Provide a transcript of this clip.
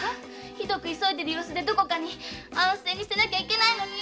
ひどく急いでる様子でどこかに安静にしてなきゃいけないのに。